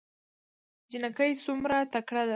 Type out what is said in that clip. جينکۍ څومره تکړه دي